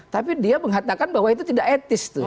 tapi dia mengatakan bahwa itu tidak etis tuh